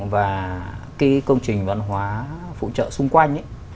và cái công trình văn hóa phụ trợ xung quanh ấy